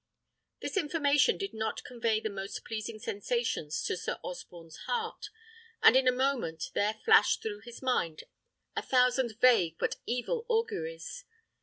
This information did not convey the most pleasing sensations to Sir Osborne's heart, and in a moment there flashed through his mind a thousand vague but evil auguries.